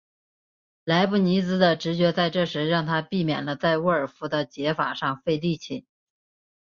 莱布尼兹的直觉在这时让他避免了在沃尔夫的解法上费力气。